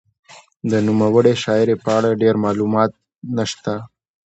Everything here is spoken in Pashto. د نوموړې شاعرې په اړه ډېر معلومات نشته.